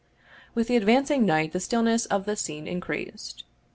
With the advancing night the stillness of the scene increased.